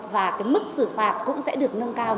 và cái mức xử phạt cũng sẽ được nâng cao